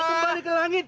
ah kembali ke langit